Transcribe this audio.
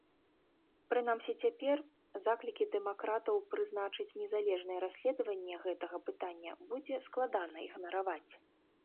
Прынамсі цяпер заклікі дэмакратаў прызначыць незалежнае расследаванне гэтага пытання будзе складана ігнараваць.